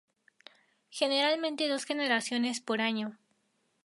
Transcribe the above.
Generalmente dos generaciones por año.